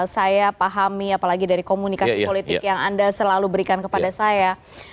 saya pahami apalagi dari komunikasi politik yang anda selalu berikan kepada saya